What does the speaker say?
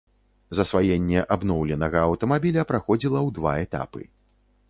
Засваенне абноўленага аўтамабіля праходзіла ў два этапы.